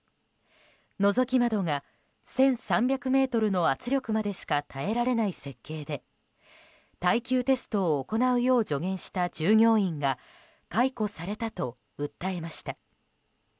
のぞき窓が１３００ｍの圧力までしか耐えられない設計で耐久テストを行うよう助言した従業員が解雇されたと訴えました。